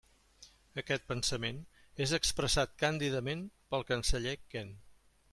Aquest pensament és expressat càndidament pel canceller Kent.